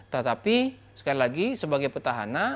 tetapi sekali lagi sebagai petahana